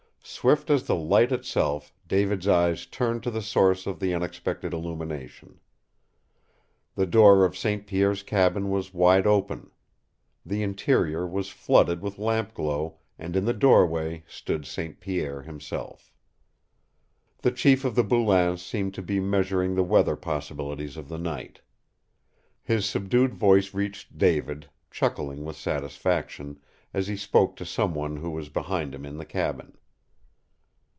Swift as the light itself David's eyes turned to the source of the unexpected illumination. The door of St. Pierre's cabin was wide open. The interior was flooded with lampglow, and in the doorway stood St. Pierre himself. The chief of the Boulains seemed to be measuring the weather possibilities of the night. His subdued voice reached David, chuckling with satisfaction, as he spoke to some one who was behind him in the cabin.